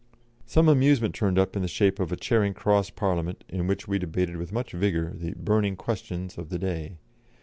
Some amusement turned up in the shape of a Charing Cross Parliament, in which we debated with much vigour the "burning questions" of the day.